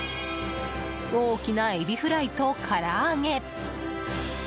大きなエビフライとから揚げ。